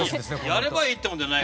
やればいいってもんじゃない。